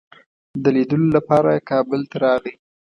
د لیدلو لپاره کابل ته راغی.